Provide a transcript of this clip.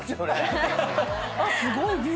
すごい！